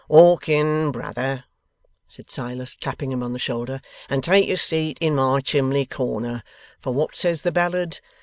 'Walk in, brother,' said Silas, clapping him on the shoulder, 'and take your seat in my chimley corner; for what says the ballad?